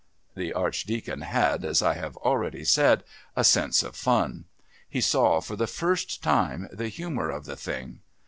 The Archdeacon had, as I have already said, a sense of fun. He saw, for the first time, the humour of the thing.